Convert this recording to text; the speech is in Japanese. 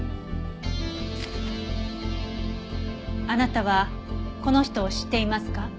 あなたはこの人を知っていますか？